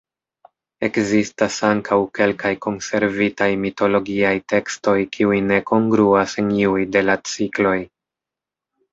Ekzistas ankaŭ kelkaj konservitaj mitologiaj tekstoj kiuj ne kongruas en iuj de la cikloj.